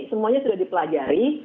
semuanya sudah dipelajari